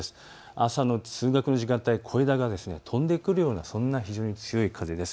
朝の通学の時間帯、小枝が飛んでくるようなそんな強い風です。